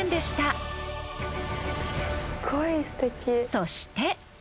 そして。